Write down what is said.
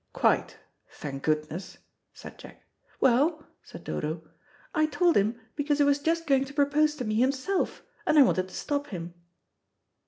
"Quite; thank goodness," said Jack. "Well," said Dodo, "I told him because he was just going to propose to me himself, and I wanted to stop him."